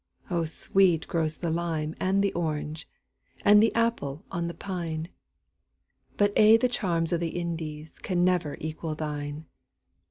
O sweet grows the lime and the orange, And the apple on the pine; But a' the charms o' the IndiesCan never equal thine.